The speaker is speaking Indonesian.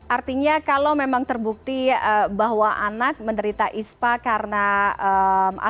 artinya kalau memang terbukti bahwa anak menderita ispa karena asap dari anak